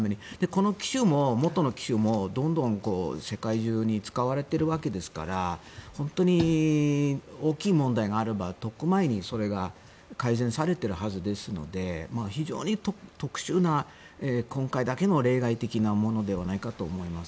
この機種も元の機種もどんどん世界中に使われているわけですから本当に大きい問題があればとっくの前にそれが改善されているはずですので非常に特殊な今回だけの例外的なものではないかと思います。